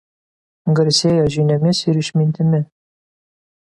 Garsėjo žiniomis ir išmintimi.